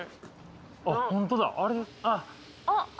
あっホントだ